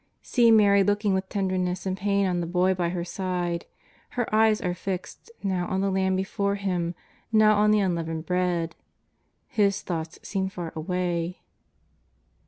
See Mary look ing with tenderness and pain on the Boy by her side. His eyes are fixed, now on the lamb before Him, now on the unleavened bread ; His thoughts seem far away.